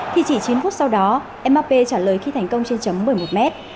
thì chỉ chín phút sau đó mbappé trả lời khi thành công trên chấm một mươi một mét